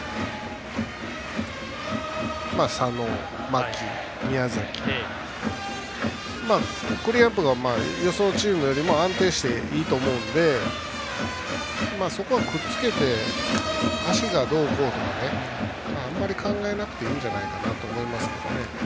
佐野、牧、宮崎クリーンアップがよそのチームより安定していいと思うのでそこはくっつけて足がどうこうとかねあまり考えなくていいんじゃないかと思います。